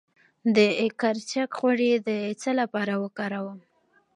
د کرچک غوړي د څه لپاره وکاروم؟